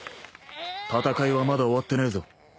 戦いはまだ終わってねえぞ。